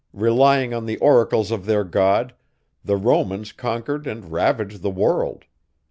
Relying on the oracles of their God, the Romans conquered and ravaged the world.